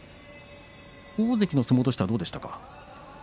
大関の相撲としてはどうでしたか？